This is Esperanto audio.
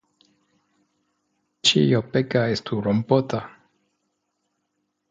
Ĉio peka estu rompota.